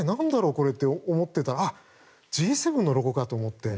これって思ってたらＧ７のロゴかと思って。